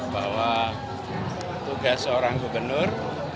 bahwa tugas seorang gubernur